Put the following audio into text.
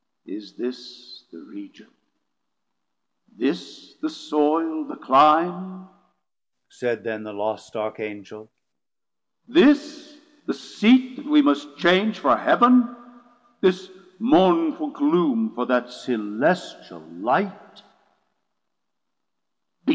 Is this the Region, this the Soil, the Clime, Said then the lost Arch Angel, this the seat That we must change for Heav'n, this mournful gloom For that celestial light?